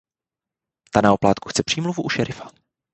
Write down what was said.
Ta na oplátku chce přímluvu u šerifa.